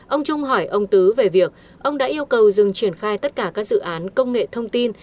ông trung hỏi ông tứ về việc ông đã yêu cầu dừng triển khai tất cả các dự án công nghệ thông tin